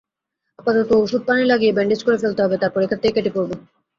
আপাতত ওষুধ-পানি লাগিয়ে ব্যান্ডেজ করে ফেলতে হবে, তারপর এখান থেকে কেটে পড়ব।